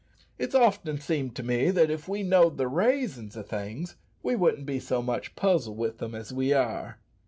It's often seemed to me that if we knowed the raisons o' things, we wouldn't be so much puzzled wi' them as we are."